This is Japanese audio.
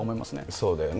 そうだよね。